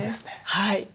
はい。